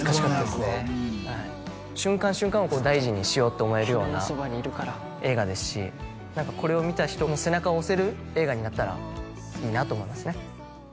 この役は瞬間瞬間を大事にしようって思えるような映画ですし何かこれを見た人の背中を押せる映画になったらいいなと思いますね